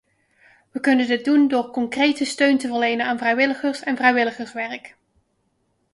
We kunnen dit doen door concrete steun te verlenen aan vrijwilligers en vrijwilligerswerk.